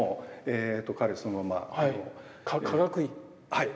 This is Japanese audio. はい。